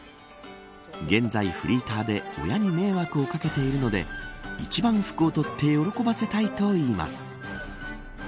現在フリーターで親に迷惑をかけているので一番福を取って喜ばせたいと言います。